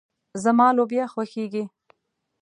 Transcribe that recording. زما لوبيا خوښيږي.